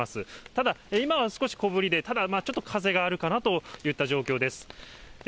ただ、今は少し小ぶりで、ただ、ちょっと風があるかなといった状況です。